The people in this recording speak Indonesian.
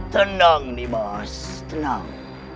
tenang nimas tenang